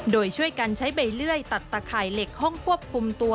โดยช่วยกันใช้ใบเลื่อยตัดตะข่ายเหล็กห้องควบคุมตัว